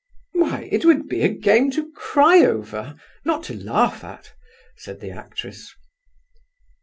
"Why, it would be a game to cry over—not to laugh at!" said the actress.